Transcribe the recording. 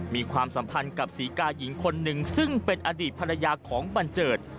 ความสัมพันธ์กับศรีกาหญิงคนหนึ่งซึ่งเป็นอดีตภรรยาของบันเจิด